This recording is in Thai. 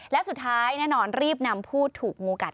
และสุดท้ายแน่นอนรีบนำผู้ถูกงูกัด